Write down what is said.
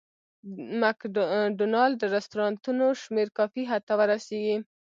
د مک ډونالډ رستورانتونو شمېر کافي حد ته ورسېږي.